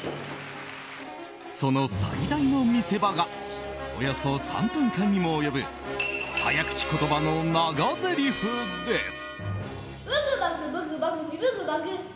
その最大の見せ場がおよそ３分間にも及ぶ早口言葉の長ぜりふです。